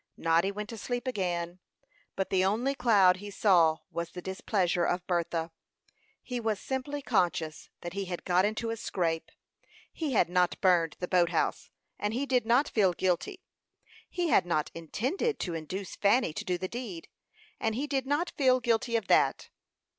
Noddy went to sleep again; but the only cloud he saw was the displeasure of Bertha. He was simply conscious that he had got into a scrape. He had not burned the boat house, and he did not feel guilty. He had not intended to induce Fanny to do the deed, and he did not feel guilty of that.